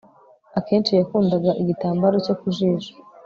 Akenshi yakundaga igitambaro cye ku jisho